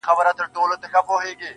د خدای سره خبرې کړه هنوز په سجده کي~